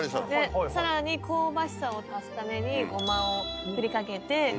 で更に香ばしさを足すために胡麻を振りかけて。